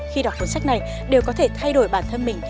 khi đọc cuốn sách này đều có thể thay đổi bản thân mình